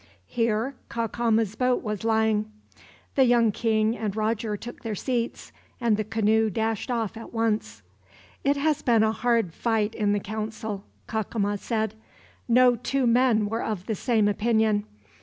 Here Cacama's boat was lying. The young king and Roger took their seats, and the canoe dashed off at once. "It has been a hard fight in the council," Cacama said. "No two men were of the same opinion.